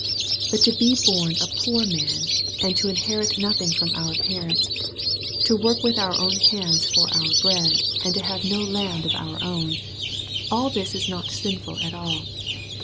But to be born a poor man, and to inherit nothing from our parents to work with our own hands for our bread, and to have no land of our own all this is not sinful at all.